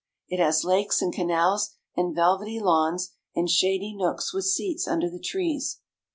It has lakes and canals, and velvety lawns, and shady nooks with seats under the trees.